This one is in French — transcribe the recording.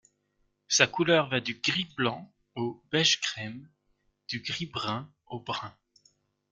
Sa couleur va du gris-blanc au beige crème, du gris-brun au brun.